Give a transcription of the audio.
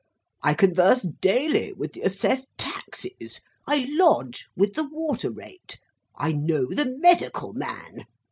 I converse daily with the Assessed Taxes. I lodge with the Water Rate. I know the Medical Man.